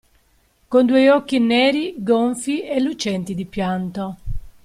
Con due occhi neri gonfi e lucenti di pianto.